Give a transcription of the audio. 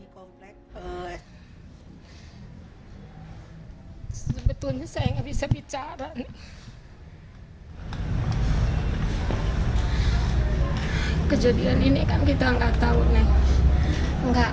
kejadian ini kan kita nggak tahu nek